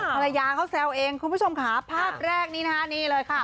ภรรยาเขาแซวเองคุณผู้ชมค้าภาพแรกนี้เลยค่ะ